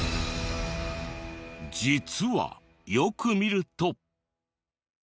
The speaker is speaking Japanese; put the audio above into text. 実はよく見ると。